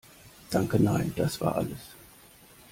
Danke nein, das war alles.